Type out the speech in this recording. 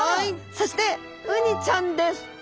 そしてウニちゃんです。